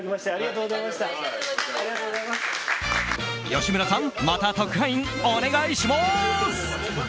吉村さん、また特派員お願いします！